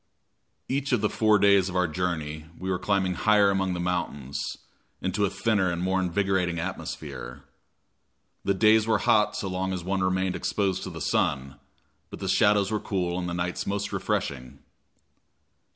Each of the four days of our journey we were climbing higher among the mountains, into a thinner and more invigorating atmosphere. The days were hot so long as one remained exposed to the sun, but the shadows were cool and the nights most refreshing.